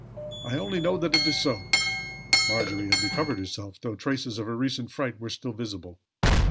I only know that it is so." Margery had recovered herself, though traces of her recent fright were still visible.